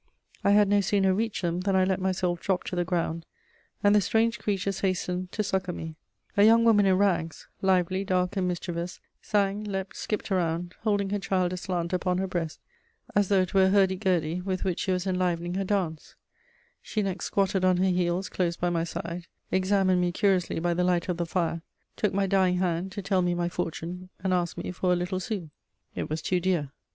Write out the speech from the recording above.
I had no sooner reached them than I let myself drop to the ground, and the strange creatures hastened to succour me. A young woman in rags, lively, dark, and mischievous, sang, leaped, skipped around, holding her child aslant upon her breast, as though it were a hurdy gurdy with which she was enlivening her dance; she next squatted on her heels close by my side, examined me curiously by the light of the fire, took my dying hand to tell me my fortune, and asked me for "a little sou:" it was too dear.